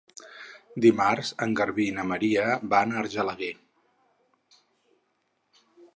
Dimarts en Garbí i na Maria van a Argelaguer.